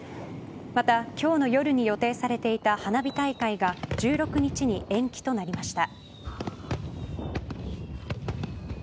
また今日の夜に予定されていた花火大会が１６日に延期となりました。